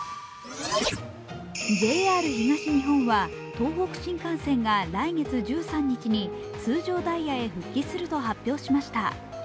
ＪＲ東日本は東北新幹線が来月１３日に通常ダイヤへ復帰すると発表しました。